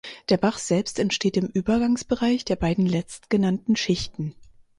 Der Bach selbst entsteht im Übergangsbereich der beiden letztgenannten Schichten.